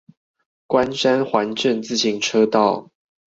關山環鎮自行車道